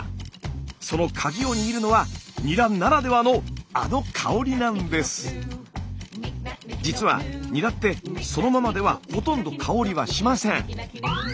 そのカギを握るのは実はニラってそのままではほとんど香りはしません。